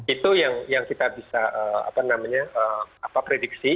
itu yang kita bisa prediksi